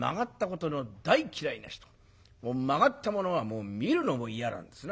曲がったものは見るのも嫌なんですな。